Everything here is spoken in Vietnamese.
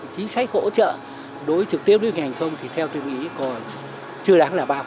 chính sách hỗ trợ đối với thực tiêu ngành hàng không thì theo tôi nghĩ còn chưa đáng là bao